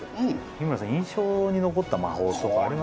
日村さん印象に残った魔法とかありました？